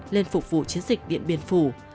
lên phục vụ chiến dịch điện biên phủ